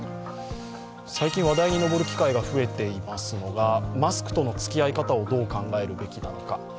最近話題に上る機会が増えていますのがマスクとのつきあい方をどう考えるべきなのか。